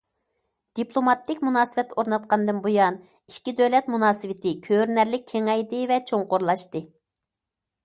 دىپلوماتىك مۇناسىۋەت ئورناتقاندىن بۇيان، ئىككى دۆلەت مۇناسىۋىتى كۆرۈنەرلىك كېڭەيدى ۋە چوڭقۇرلاشتى.